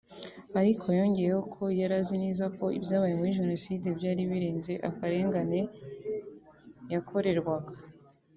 Ariko yongeyeho ko yari azi neza ko ibyabaye muri Jenoside byari birenze akarengane yakorerwaga